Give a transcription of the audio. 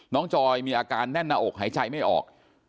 จอยมีอาการแน่นหน้าอกหายใจไม่ออก